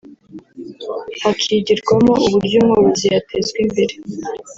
hakigirwamo uburyo umworozi yatezwa imbere